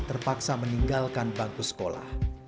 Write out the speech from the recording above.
terpaksa meninggalkan bangku sekolah